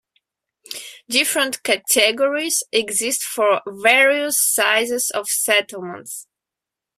Different categories exist for various sizes of settlements.